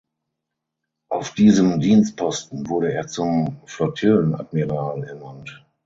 Auf diesem Dienstposten wurde er zum Flottillenadmiral ernannt.